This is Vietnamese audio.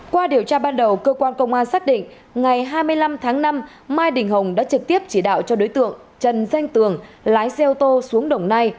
qua điều tra ban đầu cơ quan công an xác định ngày hai mươi năm tháng năm mai đình hồng đã trực tiếp chỉ đạo cho đối tượng trần danh tường lái xe ô tô xuống đồng nai